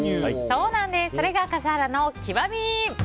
それが笠原の極み。